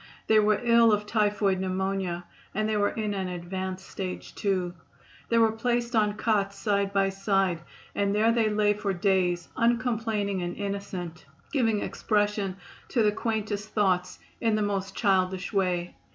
They were ill of typhoid pneumonia and they were in an advanced stage, too. They were placed on cots side by side and there they lay for days, uncomplaining and innocent, giving expression to the quaintest thoughts in the most childish way.